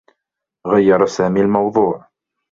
غيّر سامي الموضوع.